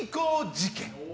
事件。